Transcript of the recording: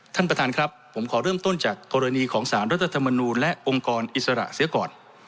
ท่านประธานครับผมขอเริ่มต้นจากกรณีของสารรัฐธรรมนูลและองค์กรอิสระเสียก่อน